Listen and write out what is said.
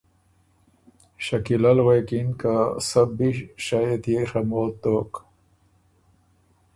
شکیلۀ ل غوېکِن که ”سۀ بی شئ یه تيې ڒموت دوک